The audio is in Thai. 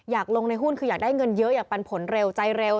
อยากลงในหุ้นคืออยากได้เงินเยอะอยากปันผลเร็วใจเร็ว